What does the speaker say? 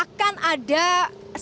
akan ada perubahan